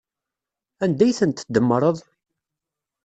Anda ay tent-tdemmreḍ?